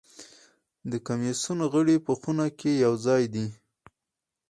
د کمېسیون غړي په خونه کې یوازې دي.